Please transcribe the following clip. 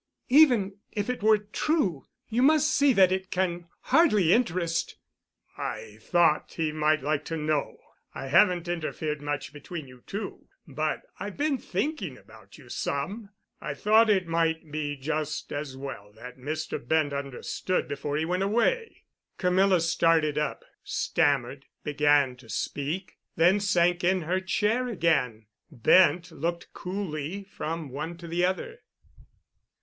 "Even if it were true, you must see that it can hardly interest——" "I thought that he might like to know. I haven't interfered much between you two, but I've been thinking about you some. I thought it might be just as well that Mr. Bent understood before he went away." Camilla started up, stammered, began to speak, then sank in her chair again. Bent looked coolly from one to the other.